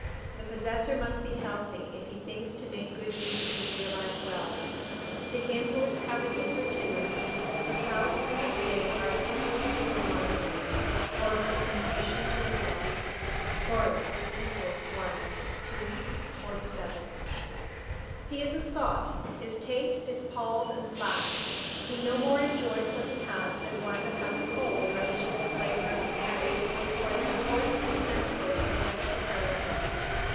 The possessor must be healthy, if he thinks to make good use of his realised wealth. To him who is covetous or timorous his house and estate are as a picture to a blind man, or a fomentation to a gouty." Horace, Ep., i. 2, 47.] He is a sot, his taste is palled and flat; he no more enjoys what he has than one that has a cold relishes the flavour of canary, or than a horse is sensible of his rich caparison.